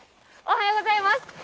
おはようございます。